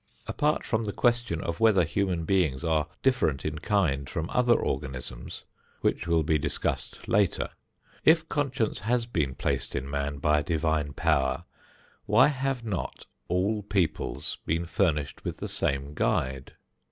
Apart from the question of whether human beings are different in kind from other organisms, which will be discussed later, if conscience has been placed in man by a divine power, why have not all peoples been furnished with the same guide?